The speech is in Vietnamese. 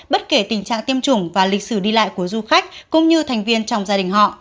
bất kể tình trạng tiêm chủng và lịch sử đi lại của du khách cũng như thành viên trong gia đình họ